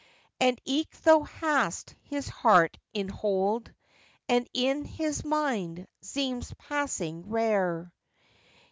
Cho. And eke thou hast his heart in hold, And in his minde zeemes passing rare.